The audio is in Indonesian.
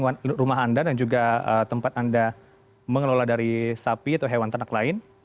bagaimana rumah anda dan juga tempat anda mengelola dari sapi atau hewan ternak lain